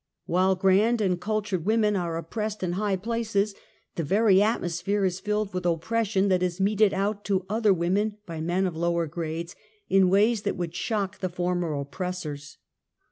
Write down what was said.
1 AYhile grand and cultured women are oppressed in high places, the very atmosphere is filled with oppression that is meted out to otlier women by men of lower grades, in ways that V'Ould shock the former oppressors.